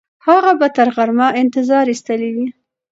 هغه به تر غرمه انتظار ایستلی وي.